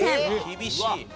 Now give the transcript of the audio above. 厳しい！